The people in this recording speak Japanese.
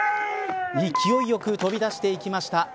勢いよく飛び出していきました。